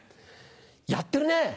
やってるね。